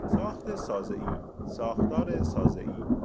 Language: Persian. ساخت سازهای، ساختار سازهای